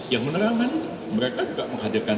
yang menerangkan mereka juga menghadirkan